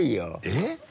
えっ？